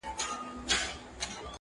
بيا يې خره ته مخ ورواړاوه چي ګرانه